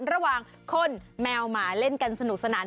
ระหว่างคนแมวหมาเล่นกันสนุกสนาน